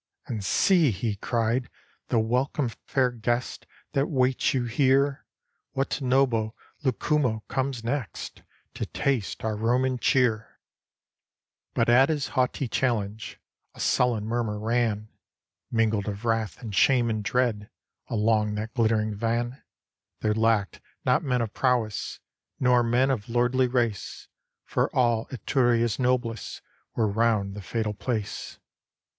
'And see," he cried, "the welcome, Fair guests, that waits you here! What noble Lucumo comes next To taste our Roman cheer?" 2S2 HORATIUS But at his haughty challenge A sullen murmur ran, Mingled of wrath and shame and dread, Along that gUttering van. There lacked not men of prowess, Nor men of lordly race; For all Etruria's noblest Were round the fatal place.